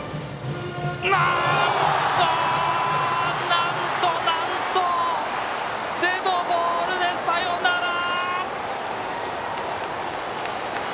なんと、なんとデッドボールでサヨナラ。